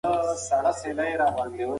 دا انار تر هغو نورو انارو ډېر سور رنګ لري.